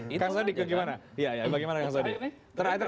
kang sodik tuh gimana